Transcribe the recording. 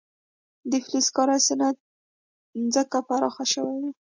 د فلزکارۍ صنعت ځکه پراخ شوی و.